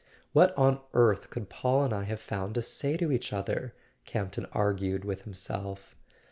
"What on earth could Paul and I have found to say to each other?" Camp ton argued with himself.